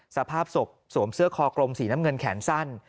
สภาพศพสวมเสื้อคอกลมสีน้ำเงินแขนสั้น